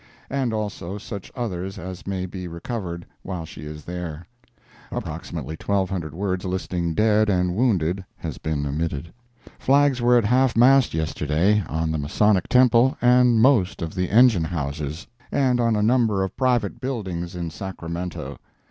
and also such others as may be recovered while she is there. [approximately 1,200 words listing dead and wounded has been omitted.] Flags were at half mast yesterday, on the Masonic Temple and most of the engine houses, and on a number of private buildings in Sacramento.